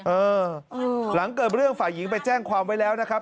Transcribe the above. เออหลังเกิดเรื่องฝ่ายหญิงไปแจ้งความไว้แล้วนะครับ